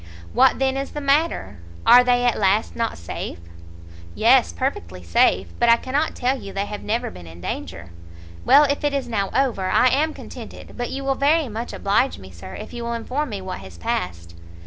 "What then is the matter? Are they at last, not safe?" "Yes, perfectly safe; but I cannot tell you they have never been in danger." "Well, if it is now over I am contented: but you will very much oblige me, sir, if you will inform me what has passed."